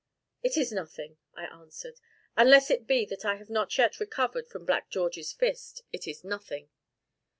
"It is nothing," I answered, "unless it be that I have not yet recovered from Black George's fist; it is nothing!"